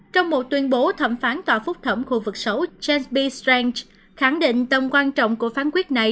trong một tuyên bố thẩm phán tòa phúc thẩm khu vực sáu james b strange khẳng định tầm quan trọng của phán quyết này